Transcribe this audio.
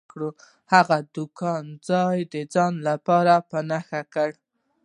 هغه د کان ځای د ځان لپاره په نښه کړ.